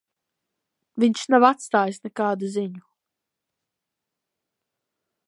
Viņš nav atstājis nekādu ziņu.